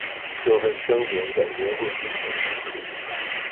这份声明在年会之前提出。